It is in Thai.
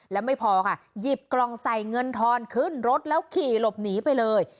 แล้วไม่พอค่ะหยิบกล่องใส่เงินทอนขึ้นรถแล้วขี่หลบหนีไปเลย